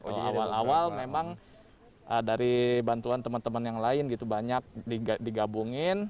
kalau awal awal memang dari bantuan teman teman yang lain gitu banyak digabungin